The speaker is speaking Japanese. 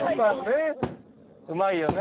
うまいよね。